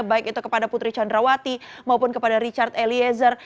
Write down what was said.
baik itu kepada putri candrawati maupun kepada richard eliezer